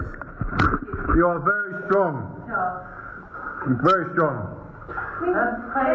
เธออยู่ที่นี่๑๐สัปดาห์